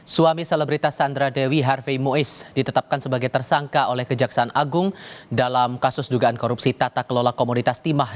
suami selebritas sandra dewi harvey muiz ditetapkan sebagai tersangka oleh kejaksaan agung dalam kasus dugaan korupsi tata kelola komoditas timah